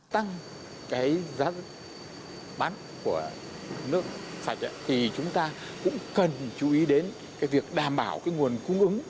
tăng cái giá bán của nước sạch thì chúng ta cũng cần chú ý đến việc đảm bảo cái nguồn cung ứng